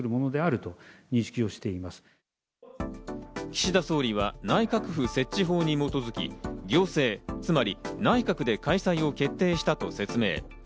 岸田総理は内閣府設置法に基づき、行政、つまり内閣で開催を決定したと説明。